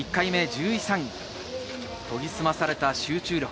研ぎ澄まされた集中力。